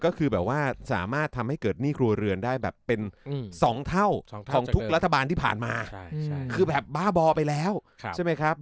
ก็คือแบบว่าสามารถทำให้เกิดหนี้ครัวเรือนได้แบบเป็น๒เท่าของทุกรัฐบาลที่ผ่านมาคือแบบบ้าบอไปแล้วใช่ไหมครับ